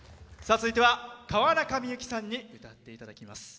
続いては川中美幸さんに歌っていただきます。